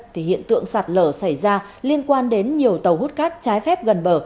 thì hiện tượng sạt lở xảy ra liên quan đến nhiều tàu hút cát trái phép gần bờ